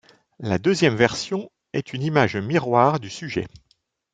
La deuxième version est une image miroir du sujet.